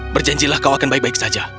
berjanjilah kau akan baik baik saja